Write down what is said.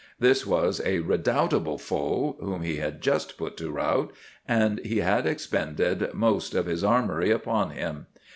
This was a redoubtable foe whom he had just put to rout, and he had expended most of his armoury upon him.